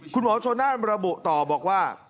คุณหมอโชน่านบรรบุต่อบอกว่า